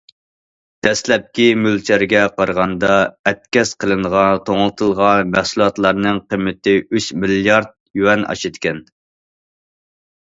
دەسلەپكى مۆلچەرگە قارىغاندا، ئەتكەس قىلىنغان توڭلىتىلغان مەھسۇلاتلارنىڭ قىممىتى ئۈچ مىليارد يۈەن ئاشىدىكەن.